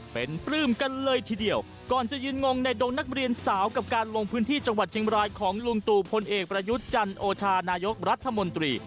เป็นปลื้มกันเลยทีเดียวก่อนจะยืนงงในดงนักเรียนสาวกับการลงพื้นที่จังหวัดเชียงบรายของลุงตู่พลเอกประยุทธ์จันโอชานายกรัฐมนตรี